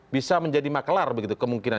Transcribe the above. bisa menjadi maklar begitu kemungkinan